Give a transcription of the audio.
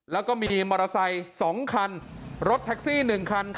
แล้วก็มีมอเตอร์ไซค์๒คันรถแท็กซี่๑คัน